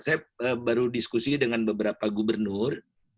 saya baru diskusi dengan beberapa gubernur